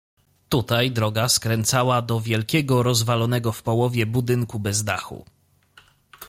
"Tutaj droga skręcała do wielkiego rozwalonego w połowie budynku bez dachu."